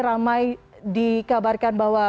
ramai dikabarkan bahwa